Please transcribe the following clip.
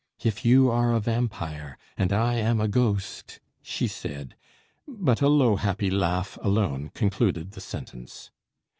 "If you are a vampire, and I am a ghost," she said but a low happy laugh alone concluded the sentence.